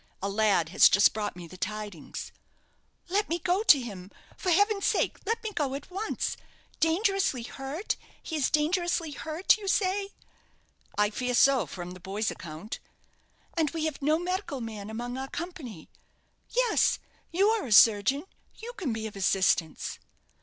A lad has just brought me the tidings." "Let me go to him for heaven's sake, let me go at once! Dangerously hurt he is dangerously hurt, you say?" "I fear so, from the boy's account." "And we have no medical man among our company. Yes; you are a surgeon you can be of assistance."